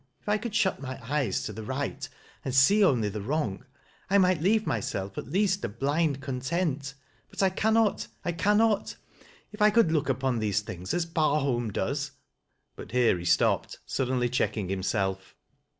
If I could shut my eyes to the right, and see only the wrong, I might leave myself at least a blind content, but I cannot — I cannot If I could look upon these things as Bai holm does " But here he stopped, suddenly checking himself.